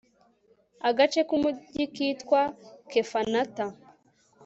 agace k'umugi kitwa kafenata